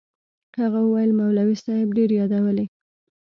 هغه وويل مولوي صاحب ډېر يادولې.